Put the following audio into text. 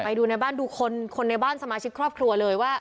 ไปดูในบ้านดูคนคนในบ้านสมาชิกครอบครัวเลยว่า